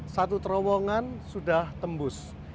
satu terowongan sudah tembus